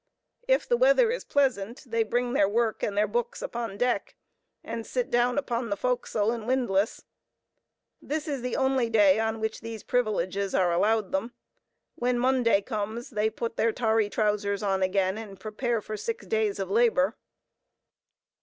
If the weather is pleasant, they bring their work and their books upon deck, and sit down upon the forecastle and windlass. This is the only day on which these privileges are allowed them. When Monday comes, they put on their tarry trousers again, and prepare for six days of labor.